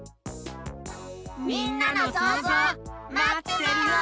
みんなのそうぞうまってるよ。